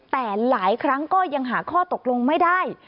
แต่หลายครั้งก็ยังหาข้อตกลงไม่ได้